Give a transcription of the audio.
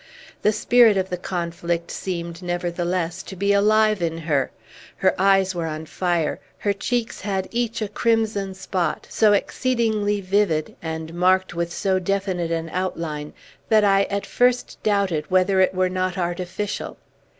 The spirit of the conflict seemed, nevertheless, to be alive in her. Her eyes were on fire; her cheeks had each a crimson spot, so exceedingly vivid, and marked with so definite an outline, that I at first doubted whether it were not artificial.